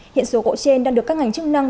hiện số gỗ trên đang được các ngành chức năng